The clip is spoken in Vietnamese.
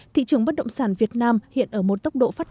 thị trường bất động sản việt nam hiện ở một tốc độ phát triển rất lớn